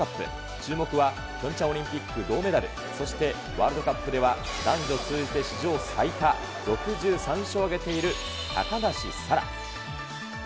注目はピョンチャンオリンピック銅メダル、そしてワールドカップでは、男女通じて史上最多６３勝を挙げている高梨沙羅。